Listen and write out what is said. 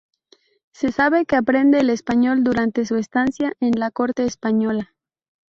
Se sabe que aprende el español durante su estancia en la corte española.